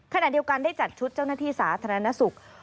ขณะเดียวกันได้จัดชุดเจ้าหน้าที่สาธารณสุข